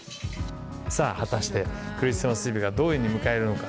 果たしてクリスマスイブがどういうふうに迎えるのか。